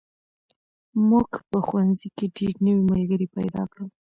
موږ په ښوونځي کې ډېر نوي ملګري پیدا کړل.